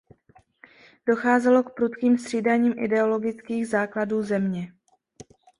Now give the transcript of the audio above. Docházelo k prudkým střídáním ideologických základů země.